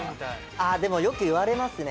あでもよく言われますね